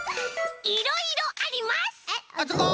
いろいろあります！ズコ！